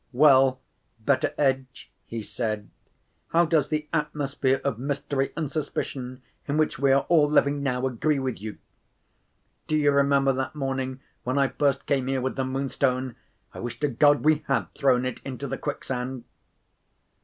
"Well, Betteredge," he said, "how does the atmosphere of mystery and suspicion in which we are all living now, agree with you? Do you remember that morning when I first came here with the Moonstone? I wish to God we had thrown it into the quicksand!"